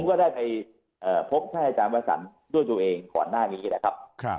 ผมก็ได้ไปพบท่านอาจารย์วัฒนด้วยตัวเองขอนหน้านี้แหละครับครับ